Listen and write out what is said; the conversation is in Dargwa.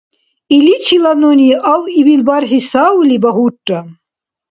Иличила нуни авъибил бархӀи савли багьурра.